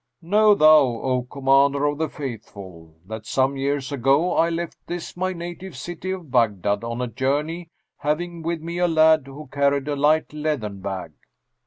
Know thou, O Commander of the Faithful, that some years ago I left this my native city of Baghdad on a journey, having with me a lad who carried a light leathern bag.